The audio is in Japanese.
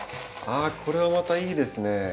あっこれはまたいいですね。